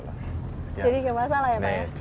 jadi gak masalah ya pak ya